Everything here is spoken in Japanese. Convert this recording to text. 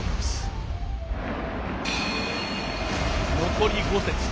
残り５節。